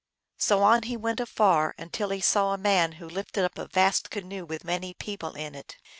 So on he went afar until he saw a man who lifted up a vast canoe with many people in it.